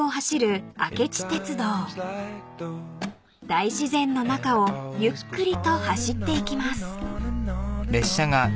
［大自然の中をゆっくりと走っていきます］